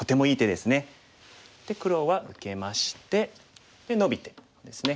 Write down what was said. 黒は受けましてでノビてですね。